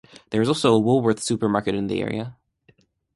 There is also a Woolworths supermarket in the area.